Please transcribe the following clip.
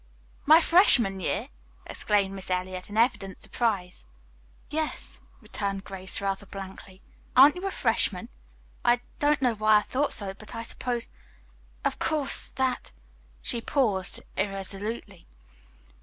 "My freshman year!" exclaimed Miss Eliot in evident surprise. "Yes," returned Grace rather blankly. "Aren't you a freshman? I don't know why I thought so, but I supposed, of course, that " She paused irresolutely.